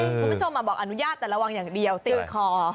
คุณผู้ชมบอกอนุญาตแต่ระวังอย่างเดียวติดคอ